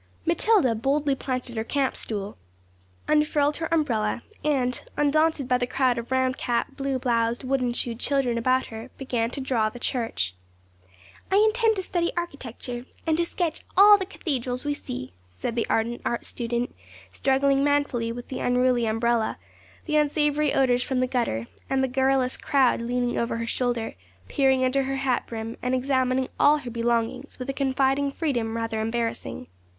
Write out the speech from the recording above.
Matilda boldly planted her camp stool, unfurled her umbrella, and, undaunted by the crowd of round capped, blue bloused, wooden shoed children about her, began to draw the church. 'I intend to study architecture, and to sketch all the cathedrals we see,' said the ardent art student, struggling manfully with the unruly umbrella, the unsavoury odours from the gutter, and the garrulous crowd leaning over her shoulder, peering under her hat brim, and examining all her belongings with a confiding freedom rather embarrassing.